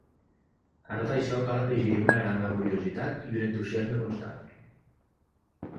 A tot això cal afegir-hi una gran laboriositat i un entusiasme constant.